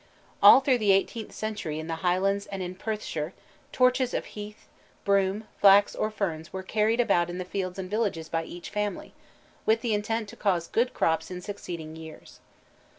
All through the eighteenth century in the Highlands and in Perthshire torches of heath, broom, flax, or ferns were carried about the fields and villages by each family, with the intent to cause good crops in succeeding years.